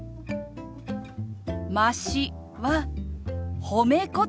「まし」は褒め言葉なの。